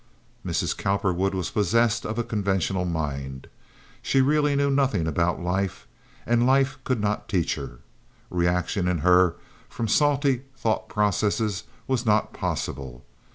Mrs. Cowperwood was possessed of a conventional mind. She really knew nothing about life. And life could not teach her. Reaction in her from salty thought processes was not possible.